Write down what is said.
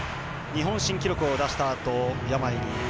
日本新記録を出したあと病に。